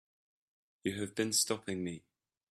You have been stopping me.